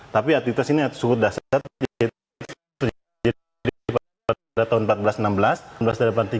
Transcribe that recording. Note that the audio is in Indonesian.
tapi aktivitas ini sudah sederhana jadi pada tahun seribu empat ratus enam belas